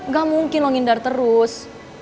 gak mungkin lo ngindar terus